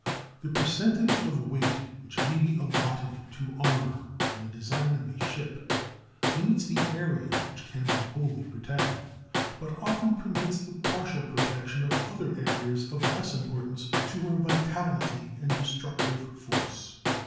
The percentage of weight which may be allotted to armor in the design of a ship limits the area which can be wholly protected, but often permits the partial protection of other areas of less importance to her vitality and destructive force.